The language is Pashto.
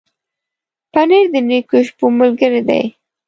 پنېر د نېکو شپو ملګری دی.